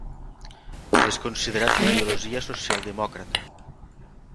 És considerat d'ideologia socialdemòcrata.